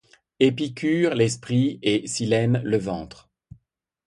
Épicure, l’esprit, et Silène, le ventre